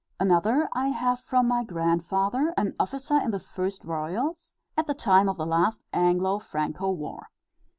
Another I have from my grandfather an officer in the 1st Royals at the time of the last Anglo Franco war.